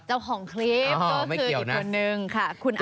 เจ้าของคลิปก็สืออีกคนนึงค่ะคุณอามี่